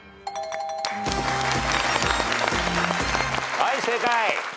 はい正解。